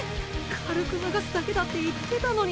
軽く流すだけだって言ってたのに！